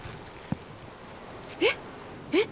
えっえっ！？